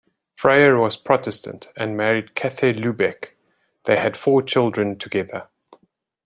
Freyer was Protestant and married Käthe Lübeck; they had four children together.